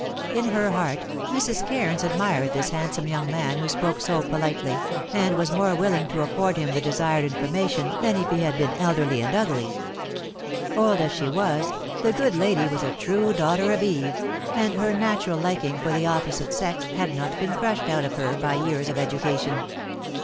In her heart Mrs. Cairns admired this handsome young man who spoke so politely, and was more willing to afford him the desired information than if he had been elderly and ugly. Old as she was, the good lady was a true daughter of Eve, and her natural liking for the opposite sex had not been crushed out of her by years of education.